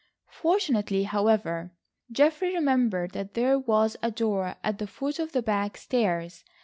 Fortunately, however, Geoffrey remembered that there was a door at the foot of the back stairs.